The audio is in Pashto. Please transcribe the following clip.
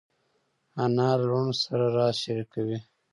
انا له لوڼو سره راز شریکوي